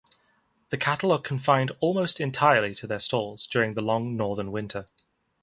The cattle are confined almost entirely to their stalls during the long northern winter.